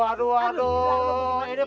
aduh yang leku gitu